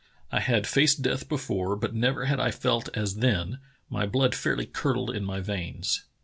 I had faced death before, but never had I felt as then; m}" blood fairly curdled in my veins.